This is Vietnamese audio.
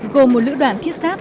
gồm một lữ đoàn thiết sáp